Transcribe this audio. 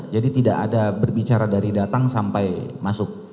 tidak ada berbicara dari datang sampai masuk